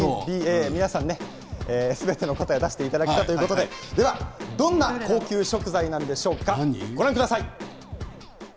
すべての答えを出していただいたということでどんな高級食材なんでしょうか、ご覧ください。